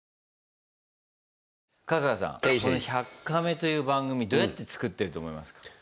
この「１００カメ」という番組どうやって作ってると思いますか？